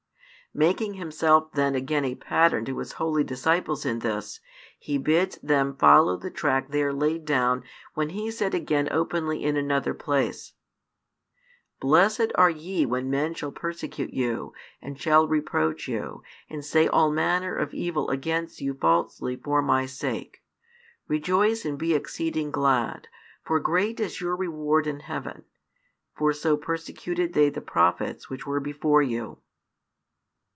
Making Himself then again a pattern to |414 His holy disciples in this, He bids them follow the track there laid down when He said again openly in another place: Blessed are ye when men shall persecute you, and shall reproach you, and say all manner of evil against you falsely for My sake. Rejoice and be exceeding glad; for great is your reward in heaven: for so persecuted they the prophets which were before you.